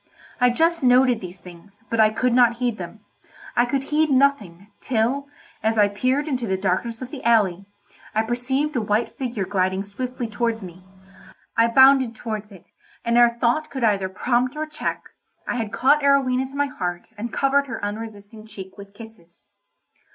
I just noted these things, but I could not heed them. I could heed nothing, till, as I peered into the darkness of the alley, I perceived a white figure gliding swiftly towards me. I bounded towards it, and ere thought could either prompt or check, I had caught Arowhena to my heart and covered her unresisting cheek with kisses.